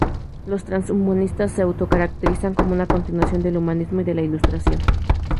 Los transhumanistas se auto-caracterizan como una continuación del humanismo y de la Ilustración.